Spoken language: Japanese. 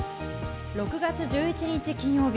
６月１１日、金曜日。